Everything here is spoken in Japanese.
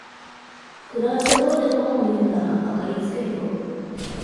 暗いところで本を読むなら明かりつけるよ